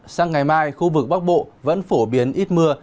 sang ngày mai khu vực bắc bộ vẫn phổ biến ít mưa